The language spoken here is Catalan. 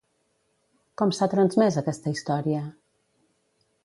Com s'ha transmès aquesta història?